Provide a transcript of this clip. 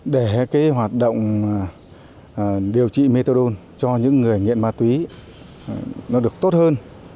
để hoạt động điều trị methadone cho những người nghiện ma túy được tốt hơn